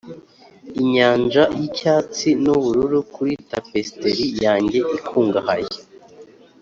inyanja yicyatsi nubururu kuri tapestry yanjye ikungahaye.